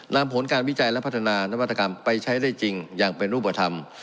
นำผลการวิจัยและพัฒนานวัตกรรมไปใช้ได้จริงอย่างเป็นรูปธรรม